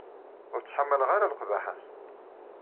Ur ttḥamaleɣ ara leqbaḥa-s.